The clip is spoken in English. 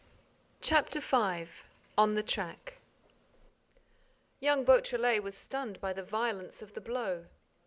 CHAPTER FIVE ON THE TRACK Young Beautrelet was stunned by the violence of the blow.